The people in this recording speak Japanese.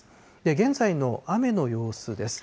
現在の雨の様子です。